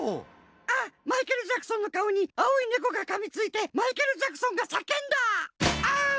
あっマイケル・ジャクソンのかおに青いネコがかみついてマイケル・ジャクソンがさけんだ！